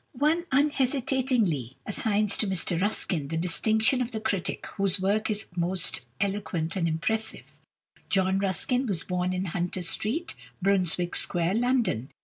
One unhesitatingly assigns to Mr Ruskin the distinction of the critic whose work is most eloquent and impressive. =John Ruskin (1819 )= was born in Hunter Street, Brunswick Square, London.